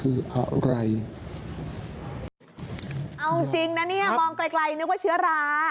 เอาจริงนะนี่มองไกลนึกว่าเชื้อรา